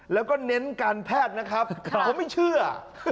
แล้วก็เน้นการแพทย์นะครับเขาไม่เชื่อ